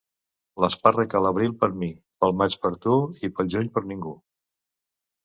L'espàrrec a l'abril per mi, pel maig per tu i pel juny per ningú.